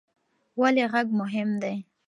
ولې غږ مهم دی؟